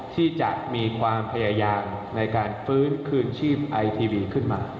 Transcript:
ที่จะมีความพยายามในการฟื้นคืนชีพไอทีวีขึ้นมา